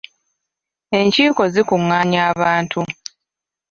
Enkiiko zikungaanya abantu.